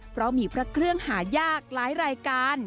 เพราะมีพระเครื่องหายากหลายรายการ